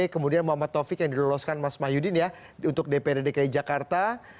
kemudian muhammad tovik yang diloloskan mas mahyuddin untuk dpd dki jakarta